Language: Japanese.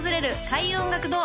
開運音楽堂